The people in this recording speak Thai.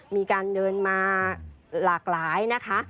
มีการเดินมาหลากหลายนะคะ